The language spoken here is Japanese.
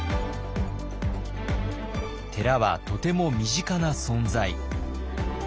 寺はとても身近な存在。